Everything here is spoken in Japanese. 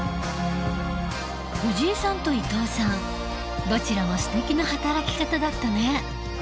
藤井さんと伊藤さんどちらもすてきな働き方だったね。